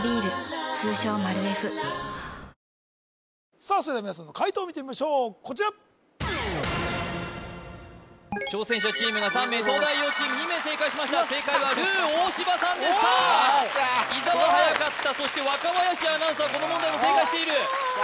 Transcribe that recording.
さあそれでは皆さんの解答見てみましょうこちら挑戦者チームが３名東大王チーム２名正解しました正解はルー大柴さんでした伊沢はやかったそして若林アナウンサーこの問題も正解しているやった